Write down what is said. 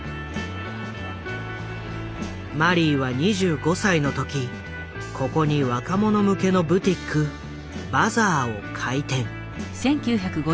マリーは２５歳の時ここに若者向けのブティック「バザー」を開店。